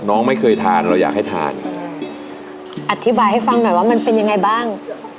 น้องไม่เคยทานเราอยากให้ทานอธิบายให้ฟังหน่อยว่ามันเป็นยังไงบ้าง